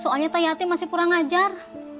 soalnya teh yati masih kurang ajar